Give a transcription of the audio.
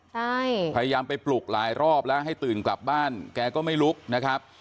ใช่พยายามไปปลุกหลายรอบแล้วให้ตื่นกลับบ้านแกก็ไม่ลุกนะครับ